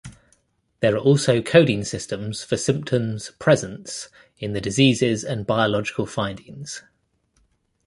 There are also coding systems for symptoms presents in the diseases and biological findings.